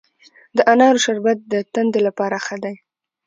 د انارو شربت د تندې لپاره ښه دی.